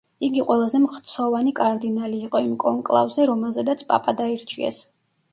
იგი ყველაზე მხცოვანი კარდინალი იყო იმ კონკლავზე, რომელზედაც პაპად აირჩიეს.